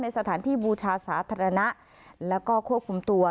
สถานที่บูชาสาธารณะแล้วก็ควบคุมตัว